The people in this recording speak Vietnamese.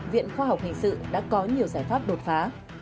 viện khoa học hình sự đã có nhiều giải pháp đột phá